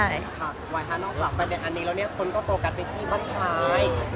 อันนี้แล้วเนี่ยคุณก็โฟกัสอยู่ที่ผ้านท้าย